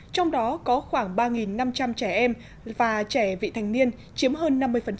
trong đó có khoảng ba năm trăm linh trẻ em và trẻ vị thành niên chiếm hơn năm mươi